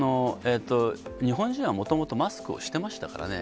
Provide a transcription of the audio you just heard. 日本人はもともと、マスクをしてましたからね。